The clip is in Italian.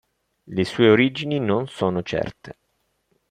Le sue origini non sono certe.